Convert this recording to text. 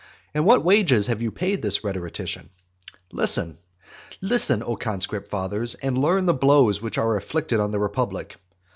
And what wages have you paid this rhetorician? Listen, listen, O conscript fathers, and learn the blows which are inflicted on the republic.